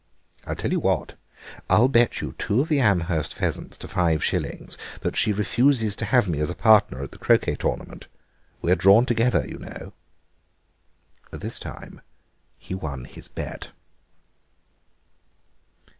I tell you what, I'll bet you two of the Amherst pheasants to five shillings that she refuses to have me as a partner at the croquet tournament. We're drawn together, you know." This time he won his bet.